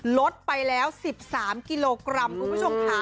ลดไปแล้ว๑๓กิโลกรัมคุณผู้ชมค่ะ